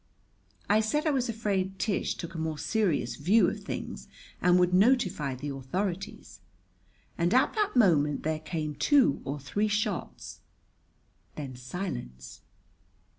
I said I was afraid Tish took a more serious view of things and would notify the authorities. And at that moment there came two or three shots then silence.